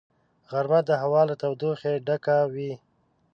غرمه د هوا له تودوخې ډکه وي